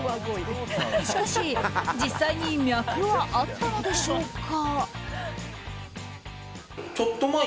しかし、実際に脈はあったのでしょうか。